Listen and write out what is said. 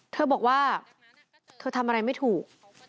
เธอบอกว่าเธอทำอะไรไม่ถูก